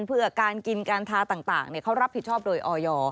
เพื่อการกินการทาต่างเขารับผิดชอบโดยออย